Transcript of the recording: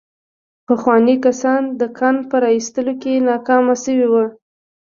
پخواني کسان د کان په را ايستلو کې ناکام شوي وو.